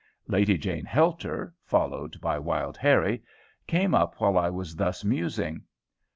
Lady Jane Helter, followed by Wild Harrie, came up while I was thus musing.